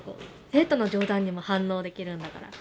生徒の冗談にも反応できるんだから。